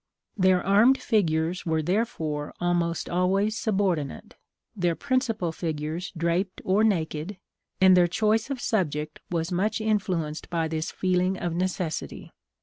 Their armed figures were therefore almost always subordinate, their principal figures draped or naked, and their choice of subject was much influenced by this feeling of necessity.